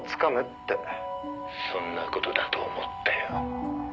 「そんな事だと思ったよ」